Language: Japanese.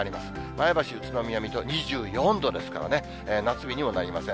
前橋、宇都宮、水戸、２４度ですからね、夏日にもなりません。